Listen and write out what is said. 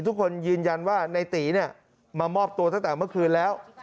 ทุกคนยืนยันว่าในตีมามอบตัวตั้งแต่เมื่อคืนแล้ว